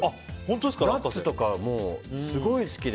ナッツとか、すごい好きで。